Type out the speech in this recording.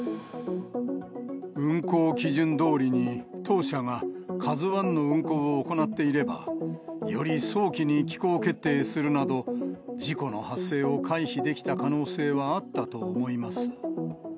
運航基準どおりに当社がカズワンの運航を行っていれば、より早期に帰港決定するなど、事故の発生を回避できた可能性はあったと思います。